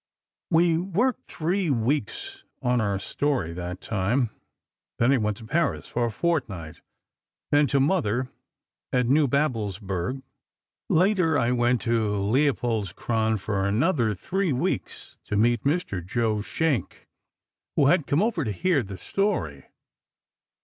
"We worked three weeks on our story, that time; then I went to Paris for a fortnight, then to Mother at Neubabelsburg. Later I went to Leopoldskron for another three weeks, to meet Mr. Joe Schenck, who had come over to hear the story.